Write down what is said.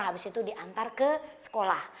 habis itu diantar ke sekolah